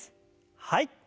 はい。